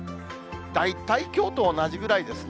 大体きょうと同じぐらいですね。